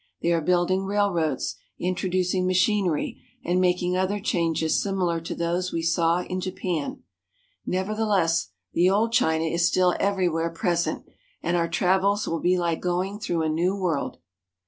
They are building railroads, introduc ing machinery, and making other changes similar to those we saw in Japan. Nevertheless, the old China is still everywhere present, and our travels will be like going through a new world.